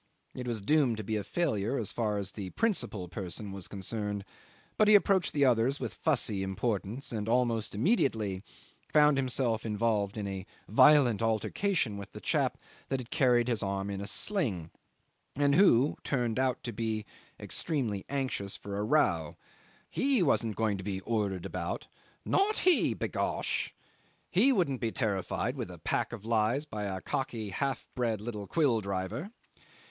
It was doomed to be a failure as far as the principal person was concerned, but he approached the others with fussy importance, and, almost immediately, found himself involved in a violent altercation with the chap that carried his arm in a sling, and who turned out to be extremely anxious for a row. He wasn't going to be ordered about "not he, b'gosh." He wouldn't be terrified with a pack of lies by a cocky half bred little quill driver.